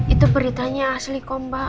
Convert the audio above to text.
itu beritanya asli